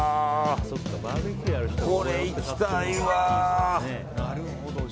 これ、いきたいわ。